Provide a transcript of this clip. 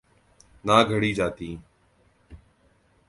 نہ گھڑی جاتیں۔